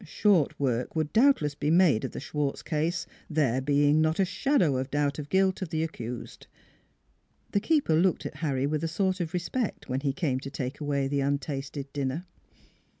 ... Short work would doubtless be made of the Schwartz case, there being not a shadow of doubt of the guilt of the accused. NEIGHBORS 321 The keeper looked at Harry with a sort of respect, when he came to take away the untasted dinner.